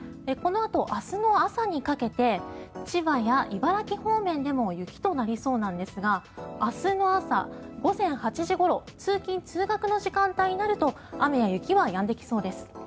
このあと明日の朝にかけて千葉や茨城方面でも雪となりそうなんですが明日の朝、午前８時ごろ通勤・通学の時間帯になると雨や雪はやんできそうです。